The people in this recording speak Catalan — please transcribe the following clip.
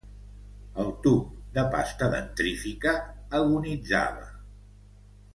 El tub de pasta dentífrica agonitzava.